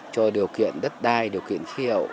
cho điều kiện đất đai điều kiện khí hậu